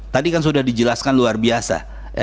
tadi kan sudah dijelaskan luar biasa